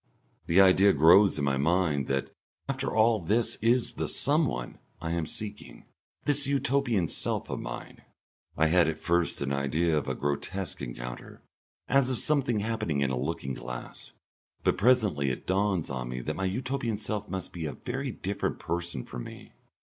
The idea grows in my mind that after all this is the "someone" I am seeking, this Utopian self of mine. I had at first an idea of a grotesque encounter, as of something happening in a looking glass, but presently it dawns on me that my Utopian self must be a very different person from me.